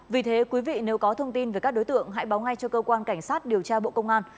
vì thế quý vị nếu có thông tin về các đối tượng hãy báo ngay cho cơ quan cảnh sát điều tra bộ công an